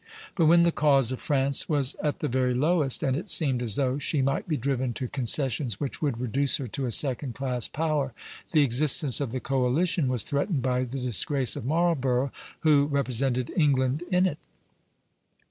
But when the cause of France was at the very lowest, and it seemed as though she might be driven to concessions which would reduce her to a second class power, the existence of the coalition was threatened by the disgrace of Marlborough, who represented England in it.